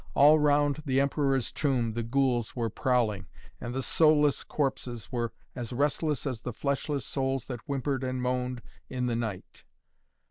All round the Emperor's Tomb the ghouls were prowling, and the soulless corpses were as restless as the fleshless souls that whimpered and moaned in the night.